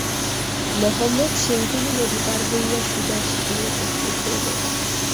মহম্মদ সেইদিনই নদী পার হইয়া সুজার শিবিরে উপস্থিত হইলেন।